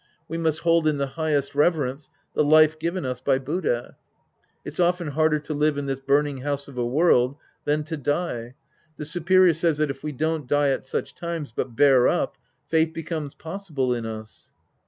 We must hold in the highest re verence the life given us by Buddha. It's often harder to live in this burning house of a world than to die. The superior says that if we don't die at such times, but bear up, faith becomes possible in us.